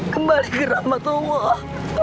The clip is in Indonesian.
kembali ke rahmat allah